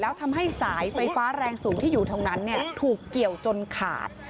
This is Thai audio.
แล้วทำให้สายไฟฟ้าแรงสูงที่อยู่ตรงนั้นถูกเกี่ยวจนขาด